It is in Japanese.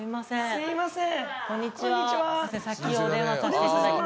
すいません。